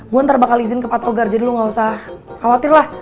gue ntar bakal izin ke pathogar jadi lu gak usah khawatir lah